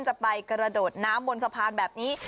จะไปกระโดดน้ำบนสะพานแบบนี้